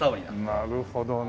なるほどね。